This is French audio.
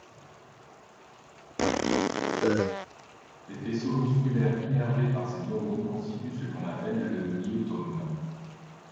Les faisceaux musculaires innervés par ces neurones constituent ce qu'on appelle le myotome.